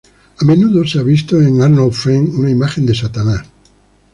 A menudo se ha visto en Arnold Friend una imagen de Satanás.